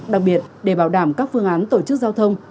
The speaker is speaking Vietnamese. đặc biệt để bảo đảm các phương án tổ chức giao thông